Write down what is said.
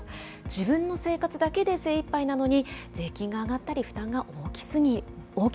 自分の生活だけで精いっぱいなのに、税金が上がったり負担が大きすぎる。